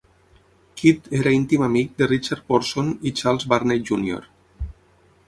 Kidd era íntim amic de Richard Porson i Charles Burney júnior.